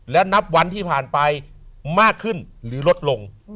และนับวันที่ผ่านไปมากขึ้นหรือลดลง